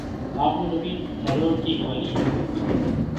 آپ نے کبھی سنیما میں چیخ ماری ہے